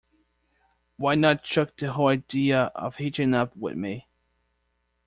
Why not chuck the whole idea of hitching up with me?